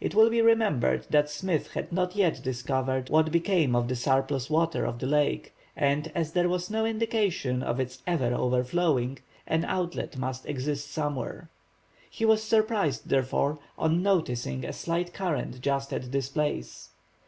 It will be remembered that Smith had not yet discovered what became of the surplus water of the lake, and as there was no indication of its ever overflowing, an outlet must exist somewhere. He was surprised, therefore, on noticing a slight current just at this place.